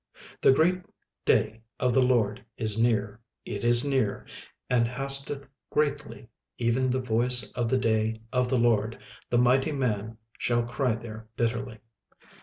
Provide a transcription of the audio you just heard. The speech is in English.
36:001:014 The great day of the LORD is near, it is near, and hasteth greatly, even the voice of the day of the LORD: the mighty man shall cry there bitterly.